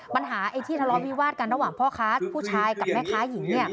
ปัญหาไอ้ที่ทะเลาะวิวาดกันระหว่างพ่อค้าผู้ชายกับแม่ค้าหญิง